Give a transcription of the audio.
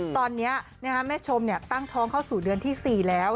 ตอนนี้แม่ชมตั้งท้องเข้าสู่เดือนที่๔แล้ว